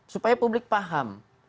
supaya publik paham